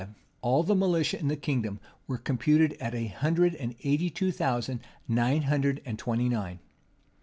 In the year 1575, all the militia in the kingdom were computed at a hundred and eighty two thousand nine hundred and twenty nine.